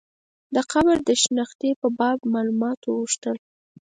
د قبر د شنختې په باب معلومات وغوښتل.